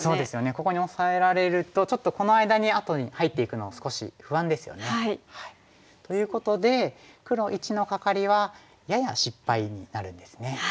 ここにオサえられるとちょっとこの間にあとに入っていくの少し不安ですよね。ということで黒①のカカリはやや失敗になるんですね。